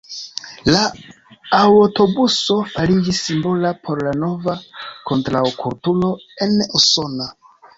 La aŭtobuso fariĝis simbola por la nova kontraŭkulturo en Usono.